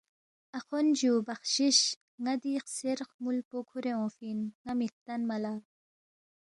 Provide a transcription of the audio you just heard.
اخوند جُو بخشش ن٘ا دی خسیر خمُول پو کُھورے اونگفی اِن، ن٘ا مِہ ہلتنما لہ